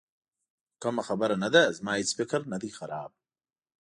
خو کومه خبره نه ده، زما هېڅ فکر نه دی خراب.